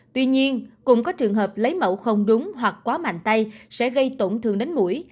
tuy nhiên cũng có trường hợp lấy mẫu không đúng hoặc quá mạnh tay sẽ gây tổn thương đến mũi